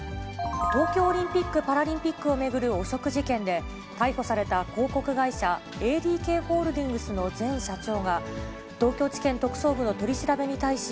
東京オリンピック・パラリンピックを巡る汚職事件で、逮捕された広告会社、ＡＤＫホールディングスの前社長が、東京地検特捜部の取り調べに対し、